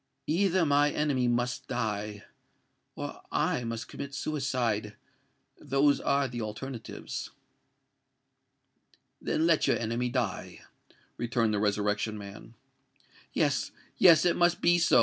Either my enemy must die—or I must commit suicide! Those are the alternatives." "Then let your enemy die," returned the Resurrection Man. "Yes—yes: it must be so!"